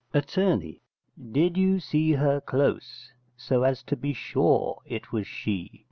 Att. Did you see her close, so as to be sure it was she?